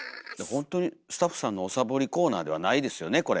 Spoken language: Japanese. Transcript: ほんとにスタッフさんのおサボりコーナーではないですよねこれ。